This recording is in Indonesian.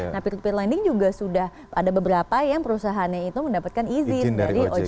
nah peer peer lending juga sudah ada beberapa yang perusahaannya itu mendapatkan izin dari ojk